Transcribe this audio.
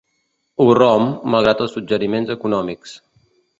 Ho romp, malgrat els suggeriments econòmics.